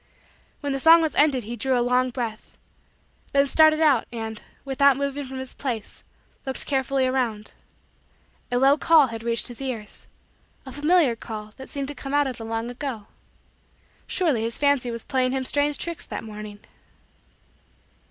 When the song was ended he drew a long breath then started and, without moving from his place, looked carefully around. A low call had reached his ears a familiar call that seemed to come out of the long ago. Surely his fancy was playing him strange tricks that morning.